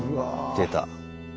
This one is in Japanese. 出た。